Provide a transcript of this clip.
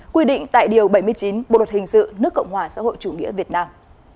quy định tại điều bảy mươi chín bộ luật hình sự nước cộng hòa xã hội chủ nghĩa việt nam